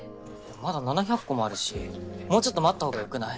まだ７００個もあるしもうちょっと待った方がよくない？